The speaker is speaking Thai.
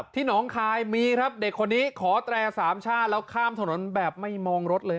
หนองคายมีครับเด็กคนนี้ขอแตรสามชาติแล้วข้ามถนนแบบไม่มองรถเลย